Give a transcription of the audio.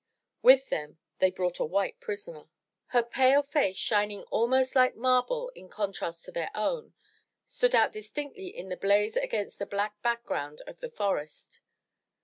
With them they brought a white prisoner. Her pale face shining almost like marble in contrast to their own, stood out distinctly in the blaze against the black background of the forest.